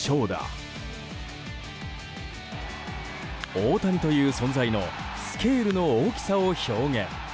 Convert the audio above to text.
大谷という存在のスケールの大きさを表現。